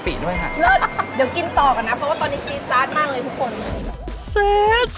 เลิศเดี๋ยวกินต่อก่อนนะเพราะว่าตอนนี้ซีดจาดมากเลยทุกคนซื้อ